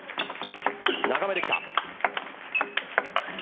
長めできた。